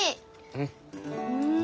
うん。